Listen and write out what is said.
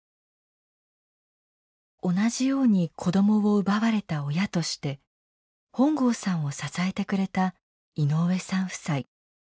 同じように子どもを奪われた親として本郷さんを支えてくれた井上さん夫妻。